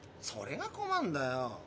それが困るんだよ。